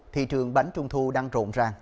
thị trường bánh trung thu đang rộn ràng